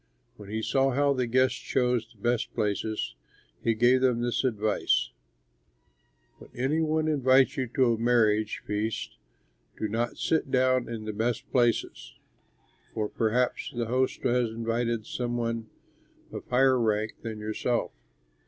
When he saw how the guests chose the best places, he gave them this advice: "When any one invites you to a marriage feast, do not sit down in the best place, for perhaps the host has invited some one of higher rank than yourself.